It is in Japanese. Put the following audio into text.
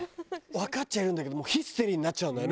わかっちゃいるんだけどもうヒステリーになっちゃうんだよね。